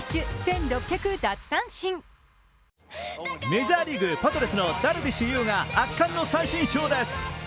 メジャーリーグパドレスのダルビッシュ有が圧巻の三振ショーです。